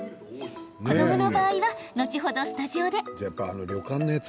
子どもの場合は後ほどスタジオで。